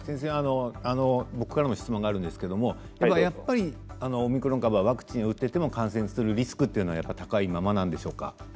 ただやっぱりオミクロン株はワクチンを打っていても感染するリスクは高いままなんでしょうか？